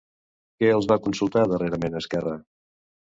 Que els va consultar darrerament Esquerra?